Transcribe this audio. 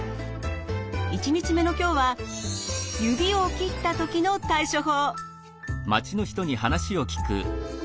１日目の今日は指を切った時の対処法。